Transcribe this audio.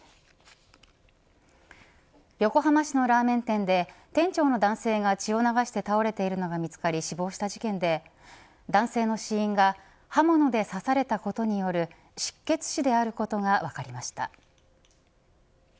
横浜市のラーメン店で店長の男性が血を流して倒れているのが見つかり死亡した事件で男性の死因が刃物で刺されたことによる失血死であることが分かりました。